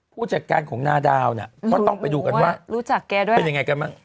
ผู้จัดการของนาดาวเนี่ยก็ต้องไปดูกันว่าเป็นยังไงกันมั้ง